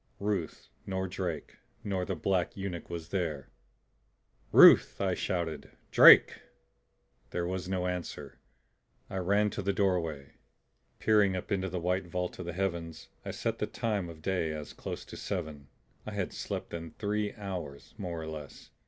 Ruth nor Drake nor the black eunuch was there! "Ruth!" I shouted. "Drake!" There was no answer. I ran to the doorway. Peering up into the white vault of the heavens I set the time of day as close to seven; I had slept then three hours, more or less.